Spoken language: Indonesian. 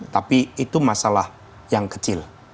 tapi itu masalah yang kecil